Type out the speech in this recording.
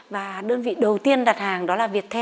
và đơn vị đầu tiên đặt hàng đó là viettel